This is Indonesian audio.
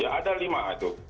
ya ada lima itu